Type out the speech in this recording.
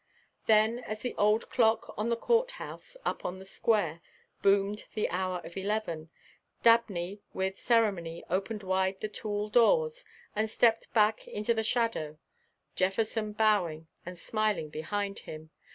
Then as the old clock on the courthouse up on the square boomed the hour of eleven, Dabney with ceremony opened wide the tall doors and stepped back into the shadow, Jefferson bowing and smiling behind him.